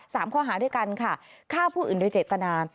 สามข้อหาด้วยกันค่ะฆ่าผู้อื่นโดยเจตนา